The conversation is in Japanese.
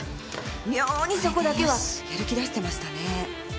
妙にそこだけはやる気出してましたね。